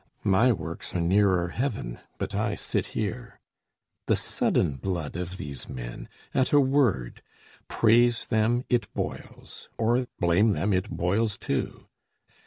My works are nearer heaven, but I sit here. The sudden blood of these men! at a word Praise them, it boils; or blame them, it boils too.